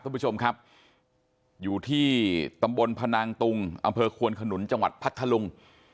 คุณผู้ชมครับอยู่ที่ตำบลพนังตุงอำเภอควนขนุนจังหวัดพัทธลุง